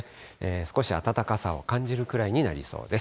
少し暖かさを感じるくらいになりそうです。